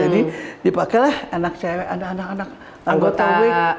dipakai anak cewek anak anak anggota week